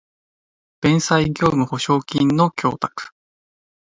弁済業務保証金の供託